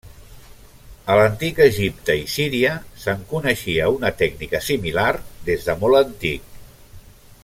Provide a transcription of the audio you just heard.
A l'antic Egipte i Síria se'n coneixia una tècnica similar des de molt antic.